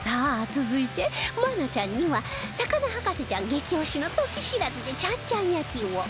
続いて愛菜ちゃんには魚博士ちゃん激推しのトキシラズでちゃんちゃん焼きを